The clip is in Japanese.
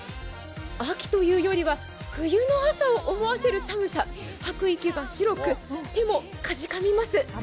秋というよりは、冬の朝を思わせる寒さ、吐く息が白く、手もかじかみます。